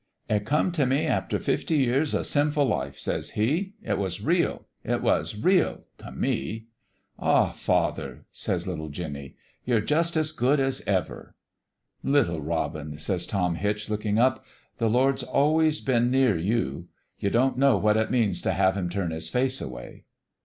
"'It come t' me after fifty years o' sinful life,' says he. ' It was real it was real t' me.' "' Ah, father,' says little Jinny, ' you're jus' as good as ever !'"' Little robin !' says Tom Hitch, lookin' up. ' The Lord's always been near you. You don't know what it means t' have Him turn His face away.'